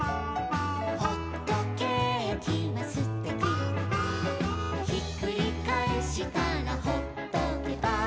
「ほっとけーきはすてき」「ひっくりかえしたらほっとけば」